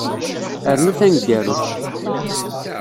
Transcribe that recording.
Rnu taneggarut.